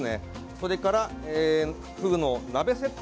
それからフグの鍋セット